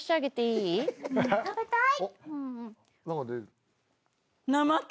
食べたい。